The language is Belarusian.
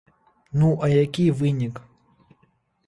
Ну а які вынік?